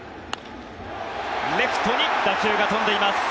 レフトに打球が飛んでいます。